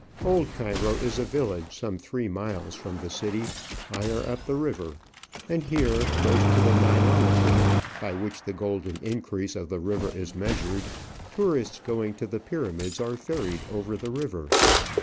Old Cairo is a village some three miles from the city, higher up the river; and here, close to the Nilometer, by which the golden increase of the river is measured, tourists going to the Pyramids are ferried over the river.